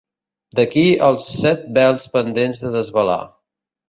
D'aquí els set vels pendents de desvelar.